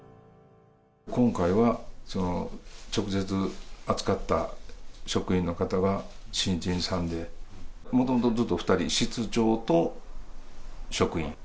今回は直接扱った職員の方が新人さんで、もともとずっと２人、室長と職員。